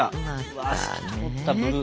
うわ透き通ったブルー。